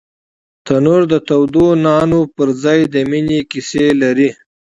تنور د تودو نانو پر ځای د مینې کیسې لري